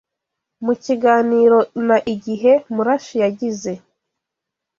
Mu kiganiro na IGIHE, Murashi yagize